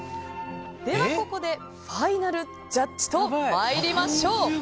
では、ここでファイナルジャッジと参りましょう。